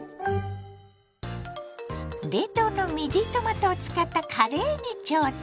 冷凍のミディトマトを使ったカレーに挑戦。